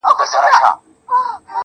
ستا د خنداوو ټنگ ټکور به په زړگي کي وړمه,